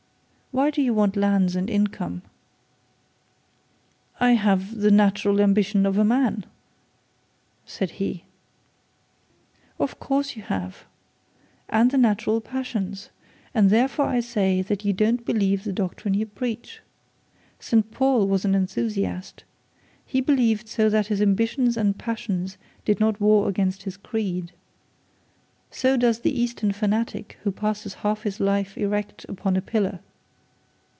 Why do you want lands and income?' 'I have the natural ambition of a man,' said he. 'Of course you have, and the natural passions; and therefore I say that you don't believe the doctrine you preach. St Paul was an enthusiast. He believed so that his ambition and passions did not war against his creed. So does the Eastern fanatic who passes half his life erect upon a pillar.